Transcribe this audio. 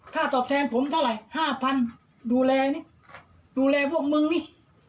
ถ้าตอบแทนผมเท่าไหร่๕๐๐๐ดูแลนี่ดูแลพวกมึงนี่